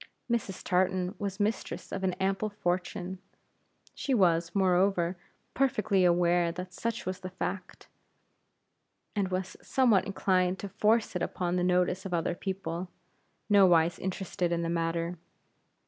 Mrs. Tartan was mistress of an ample fortune. She was, moreover, perfectly aware that such was the fact, and was somewhat inclined to force it upon the notice of other people, nowise interested in the matter.